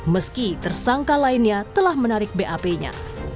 meski tersangka lainnya telah menarikannya